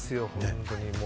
本当に。